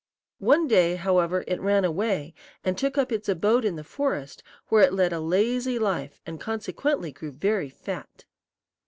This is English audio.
One day, however, it ran away, and took up its abode in the forest, where it led a lazy life, and consequently grew very fat.